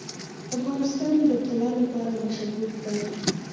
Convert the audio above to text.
افغانستان د طلا لپاره مشهور دی.